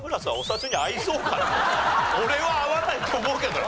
俺は合わないと思うけど。